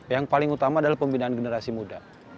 yang paling utama adalah pembinaan generasi muda